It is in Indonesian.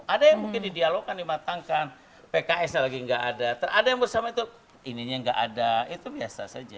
ada yang mungkin didialogkan dimatangkan pks nya lagi nggak ada yang bersama itu ininya nggak ada itu biasa saja